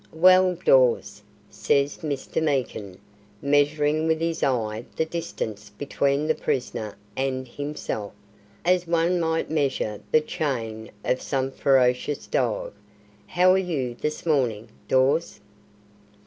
"Well, Dawes," says Mr. Meekin, measuring with his eye the distance between the prisoner and himself, as one might measure the chain of some ferocious dog. "How are you this morning, Dawes?"